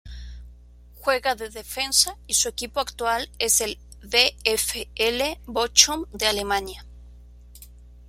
Juega de defensa y su equipo actual es el VfL Bochum de Alemania.